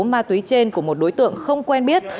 ma túy trên của một đối tượng không quen biết